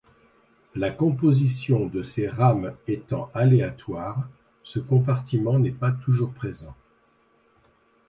La composition de ces rames étant aléatoire ce compartiment n’est pas toujours présent.